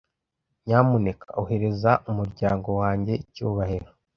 Nyamuneka ohereza umuryango wanjye icyubahiro.